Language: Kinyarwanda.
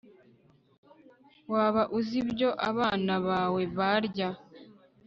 waba uzi ibyo abana bawe barya